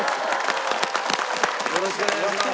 よろしくお願いします。